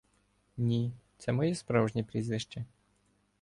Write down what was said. — Ні, це моє справжнє прізвище.